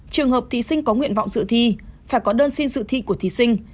trường hợp thí sinh có nguyện vọng dự thi phải có đơn xin dự thi của thí sinh